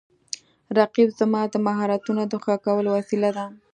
رقیب زما د مهارتونو د ښه کولو وسیله ده